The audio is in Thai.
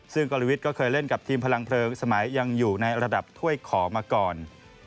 ซึ่งกรวิทย์ก็เคยเล่นกับทีมพลังเพลิงสมัยยังอยู่ในระดับถ้วยขอมาก่อน